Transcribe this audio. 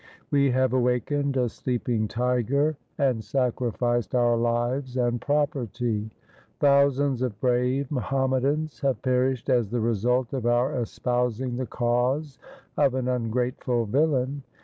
We have awakened a sleeping tiger and sacrificed our lives and property. Thousands of brave Muhammadans have perished as the result of our espousing the cause of an ungrateful villain.